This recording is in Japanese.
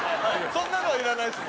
そんなのはいらないです